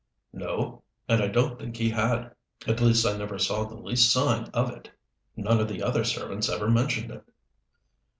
"No. And I don't think he had. At least I never saw the least sign of it. None of the other servants ever mentioned it."